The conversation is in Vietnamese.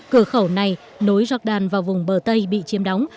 cửa khẩu này nối jordan vào vùng bờ tây bị chiếm đóng